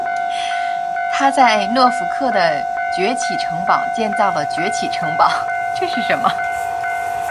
他在诺福克的崛起城堡建造了崛起城堡。